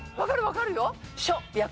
わかるよ。